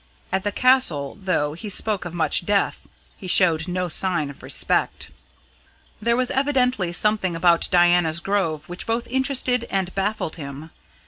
At the Castle, though he spoke of much death, he showed no sign of respect. There was evidently something about Diana's Grove which both interested and baffled him.